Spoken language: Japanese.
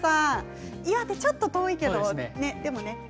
ちょっと遠いけどでもね。